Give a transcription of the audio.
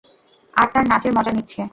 আর তার নাচের মজা নিচ্ছে।